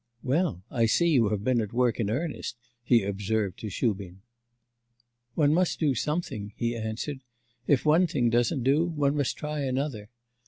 'Well I see you have been at work in earnest,' he observed to Shubin. 'One must do something,' he answered. 'If one thing doesn't do, one must try another.